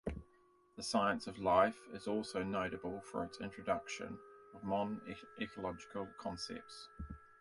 "The Science of Life" is also notable for its introduction of modern ecological concepts.